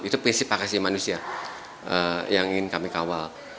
itu prinsip hak asasi manusia yang ingin kami kawal